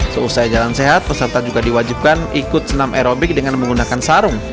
seusai jalan sehat peserta juga diwajibkan ikut senam aerobik dengan menggunakan sarung